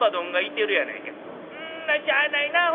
「んしゃあないなあ。